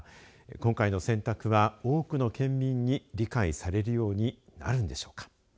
今回の選択は多くの県民に理解されるようになるんでしょうか。